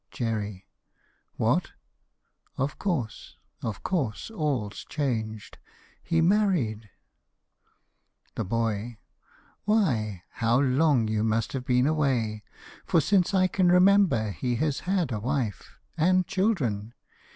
JERRY. What! (Of course; of course; all's changed.) He married! THE BOY. Why, How long you must have been away! For since I can remember he has had a wife And children.